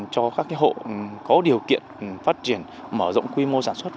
cho các hộ có điều kiện phát triển mở rộng quy mô sản xuất